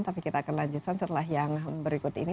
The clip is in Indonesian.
tapi kita akan lanjutkan setelah yang berikut ini